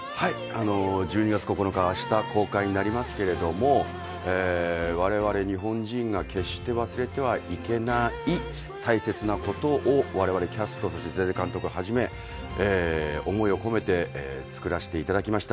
１２月９日、明日公開になりますけれども、我々日本人が決して忘れてはいけない大切なことを我々キャストとして瀬々監督はじめ思いを込めて作らせていただきました。